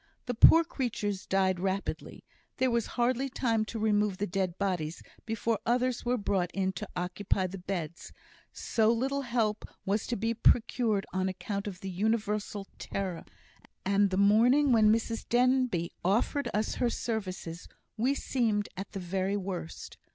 The poor creatures died rapidly; there was hardly time to remove the dead bodies before others were brought in to occupy the beds, so little help was to be procured on account of the universal terror; and the morning when Mrs Denbigh offered us her services, we seemed at the very worst.